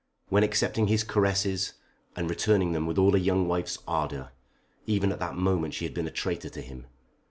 When accepting his caresses, and returning them with all a young wife's ardour, even at that moment she had been a traitor to him.